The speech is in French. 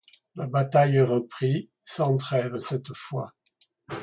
La bataille reprit, sans trêve cette fois